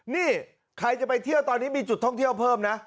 นี่ใครจะไปเที่ยวตอนนี้มีจุดท่องเที่ยวเพิ่มนะ